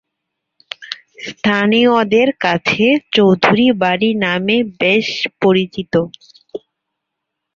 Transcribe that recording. স্থানীয়দের কাছে "চৌধুরী বাড়ি" নামে বেশ পরিচিত।